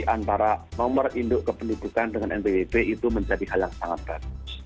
antara nomor induk kependudukan dengan npwp itu menjadi hal yang sangat bagus